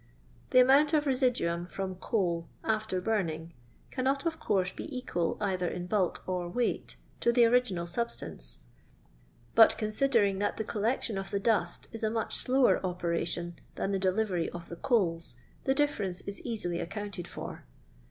The amount of residuum from coal after burning cannot, of course, be equal either in bulk or weight to tlie original substance ; but considering that the collection of the dust is a much slower operation than the de livery of the coals, the difference is easily ac counted for.